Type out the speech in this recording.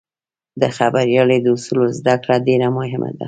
د خبریالۍ د اصولو زدهکړه ډېره مهمه ده.